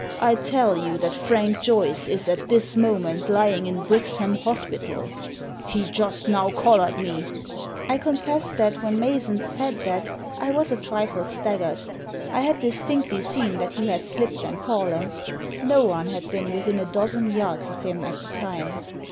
I tell you that Frank Joyce is at this moment lying in Brixham hospital" " He just now collared me," I confess that when Mason said diat I was a trifle staggered. I had distinctly seen that he had slipped and fallen. No one had been within a dozen yards of him at the time.